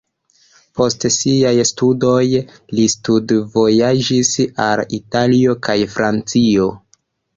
Post siaj studoj li studvojaĝis al Italio kaj Francio.